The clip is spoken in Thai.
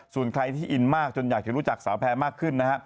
ส่วนใครที่อินมากจนอยากจะรู้จักสาวแพรมากขึ้นนะฮะ